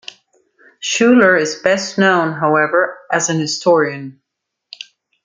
Schouler is best known, however, as an historian.